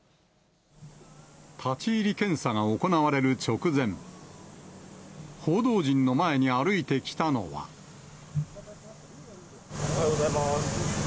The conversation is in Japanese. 立ち入り検査が行われる直前、おはようございます。